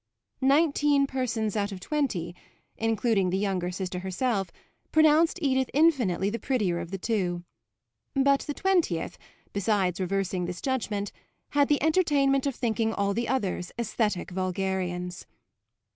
Nineteen persons out of twenty (including the younger sister herself) pronounced Edith infinitely the prettier of the two; but the twentieth, besides reversing this judgement, had the entertainment of thinking all the others aesthetic vulgarians.